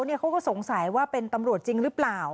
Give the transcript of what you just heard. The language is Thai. เขาก็สงสัยว่าเป็นตำรวจจริงหรือเปล่า